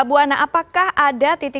bu hana apakah ada titik titik